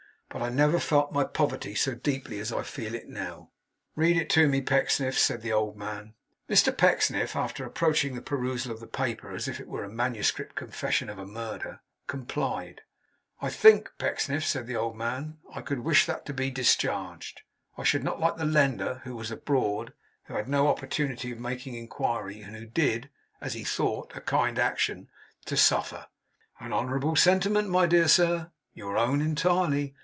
But I never felt my poverty so deeply as I feel it now.' 'Read it to me, Pecksniff,' said the old man. Mr Pecksniff, after approaching the perusal of the paper as if it were a manuscript confession of a murder, complied. 'I think, Pecksniff,' said old Martin, 'I could wish that to be discharged. I should not like the lender, who was abroad, who had no opportunity of making inquiry, and who did (as he thought) a kind action, to suffer.' 'An honourable sentiment, my dear sir. Your own entirely.